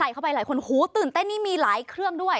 ใส่เข้าไปหูตื่นเต้นนี่มีหลายเครื่องด้วย